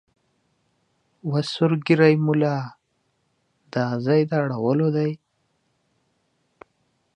وه سور ږیریه مولا دا ځای د اړولو دی